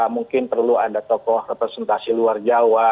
mungkin perlu ada tokoh representasi luar jawa